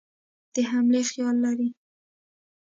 د حملې خیال لري.